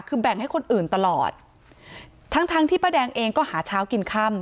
คือแบ่งให้คนอื่นตลอดทั้งทั้งที่ป้าแดงเองก็หาเช้ากินค่ำ